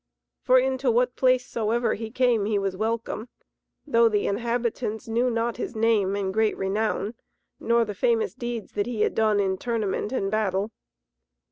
For into what place soever he came he was welcome, though the inhabitants knew not his name and great renown, nor the famous deeds that he had done in tournament and battle.